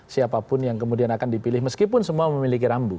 siapapun yang kemudian akan dipilih meskipun semua memiliki rambu